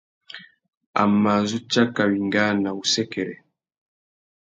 A mà zu tsaka wingāna wussêkêrê.